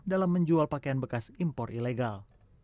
dalam menjual pakaian bekas impor ilegal